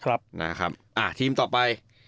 อะทีมต่อไป